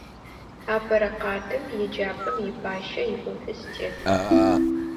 Апэрэ къатым еджапӏэм ипащэ иофис тет.